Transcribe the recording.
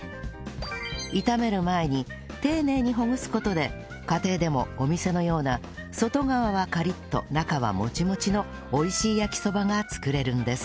炒める前に丁寧にほぐす事で家庭でもお店のような外側はカリッと中はモチモチの美味しい焼きそばが作れるんです